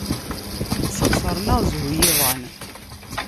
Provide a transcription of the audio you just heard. Sxesṛen-aɣ zzhu yiḍan.